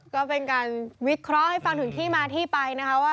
ก็เป็นการวิเคราะห์ให้ฟังถึงที่มาที่ไปนะคะว่า